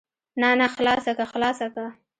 نه نه خلاصه که خلاصه که.